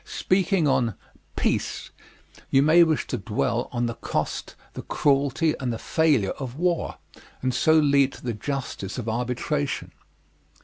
Speaking on "Peace," you may wish to dwell on the cost the cruelty, and the failure of war, and so lead to the justice of arbitration.